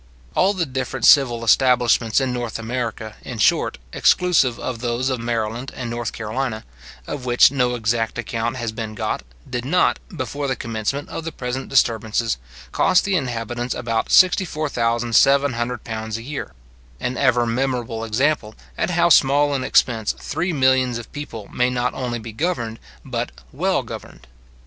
All the different civil establishments in North America, in short, exclusive of those of Maryland and North Carolina, of which no exact account has been got, did not, before the commencement of the present disturbances, cost the inhabitants above £64,700 a year; an ever memorable example, at how small an expense three millions of people may not only be governed but well governed.